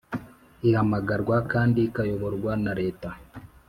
Ihamagarwa kandi ikayoborwa naleta